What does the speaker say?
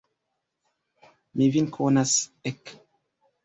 Mi vin konas, ek!